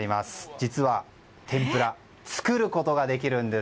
実は、天ぷら作ることができるんです。